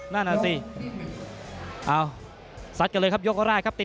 น้ำตาจีน